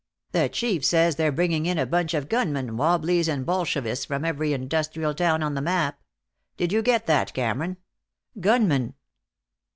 The Chief says they're bringing in a bunch of gunmen, wobblies and Bolshevists from every industrial town on the map. Did you get that, Cameron? Gunmen!"